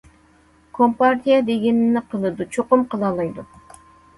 كومپارتىيە دېگىنىنى قىلىدۇ، چوقۇم قىلالايدۇ.